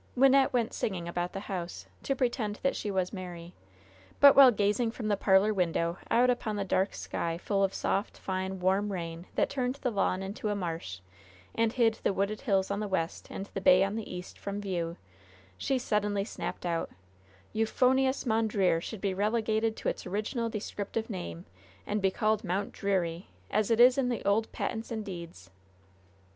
Wynnette went singing about the house, to pretend that she was merry. But, while gazing from the parlor window out upon the dark sky full of soft, fine, warm rain that turned the lawn into a marsh, and hid the wooded hills on the west and the bay on the east from view, she suddenly snapped out: "Euphonious Mondreer should be relegated to its original, descriptive name, and be called Mount Dreary, as it is in the old patents and deeds!"